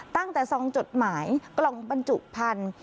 ตั้งแต่๒จดหมายกล่องบรรจุพันธุ์